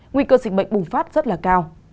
nguy cơ dịch bệnh bùng phát rất là cao